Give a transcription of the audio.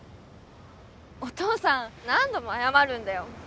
お父さん何度も謝るんだよ。